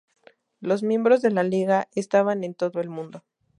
Los miembros de la Liga estaban en todo el mundo.